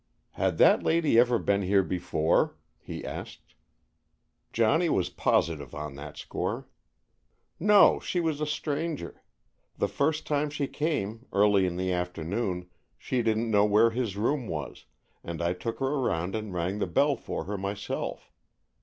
"Had that lady ever been here before?" he asked. Johnny was positive on that score. "No, she was a stranger. The first time she came, early in the afternoon, she didn't know where his room was, and I took her around and rang the bell for her myself.